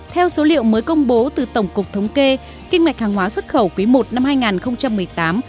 theo số liệu mới công bố từ tổng cục thống kê kinh mạch hàng hóa xuất khẩu quý i năm hai nghìn một mươi tám